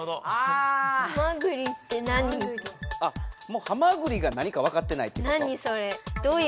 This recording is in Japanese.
もうハマグリが何かわかってないっていうこと？